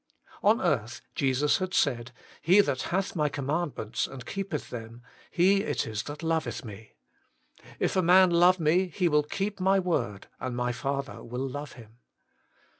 On earth Jesus had said : He that hath My commaiidnients and keepeth them, he it is that loveth Me. If a man love Me, he zvill keep My zvord, and My Father will love him.